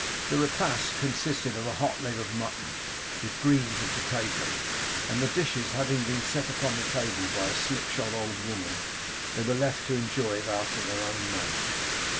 The repast consisted of a hot leg of mutton with greens and potatoes; and the dishes having been set upon the table by a slipshod old woman, they were left to enjoy it after their own manner.